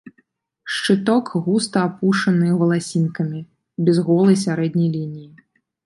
Шчыток густа апушаны валасінкамі, без голай сярэдняй лініі.